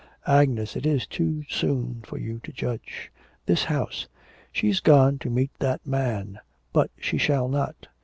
'Agnes, it is too soon for you to judge. This house ' 'She's gone to meet that man; but she shall not.